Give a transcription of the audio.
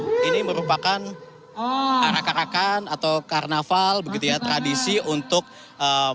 jadi ini adalah sebuah tradisi yang biasanya ini merupakan arak arakan atau karnaval begitu ya tradisi untuk menikmati